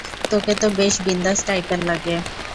তোকে তো বেশ বিন্দাস টাইপের লাগে।